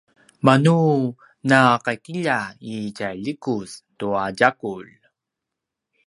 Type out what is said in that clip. manu nakiqilja i tjai likuz tua tjagulj